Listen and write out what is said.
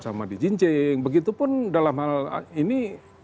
sama dijinjing begitu pun dalam hal ini